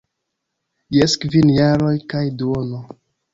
Jes, kvin jaroj kaj duono.